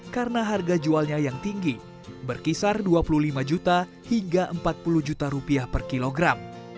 karena harga jualnya yang tinggi berkisar dua puluh lima juta hingga empat puluh juta rupiah per kilogram